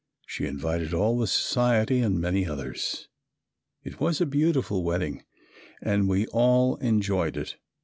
She invited all the society and many others. It was a beautiful wedding and we all enjoyed it.